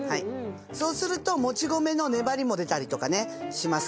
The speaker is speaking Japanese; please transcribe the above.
そうするともち米の粘りも出たりとかね。